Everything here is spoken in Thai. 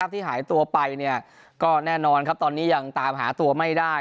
ที่หายตัวไปก็แน่นอนครับตอนนี้ยังตามหาตัวไม่ได้